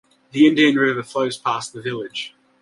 The Indian River flows past the village.